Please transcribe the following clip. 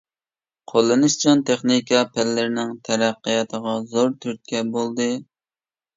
قوللىنىشچان تېخنىكا پەنلىرىنىڭ تەرەققىياتىغا زور تۈرتكە بولدى.